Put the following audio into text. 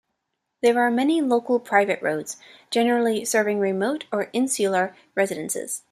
There are many local private roads, generally serving remote or insular residences.